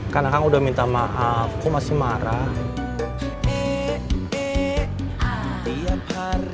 kan akan udah minta maaf kok masih marah